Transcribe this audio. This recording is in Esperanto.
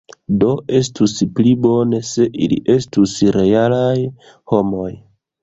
Do estus pli bone se ili estus realaj homoj.